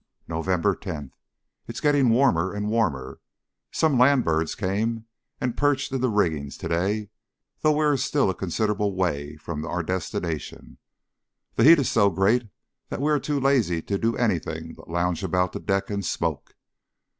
November 10. It is getting warmer and warmer. Some land birds came and perched in the rigging today, though we are still a considerable way from our destination. The heat is so great that we are too lazy to do anything but lounge about the decks and smoke.